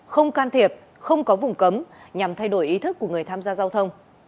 không can thiệp không có vùng cấm nhằm thay đổi ý thức của người tham gia giao thông